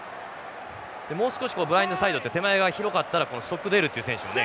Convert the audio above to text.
もう少しブラインドサイドって手前側が広かったらストックデールっていう選手もね